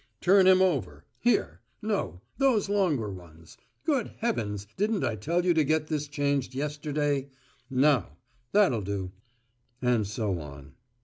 "Turn him over. Here. No, those longer ones. Good heavens, didn't I tell you to get this changed yesterday? Now. That'll do," and so on.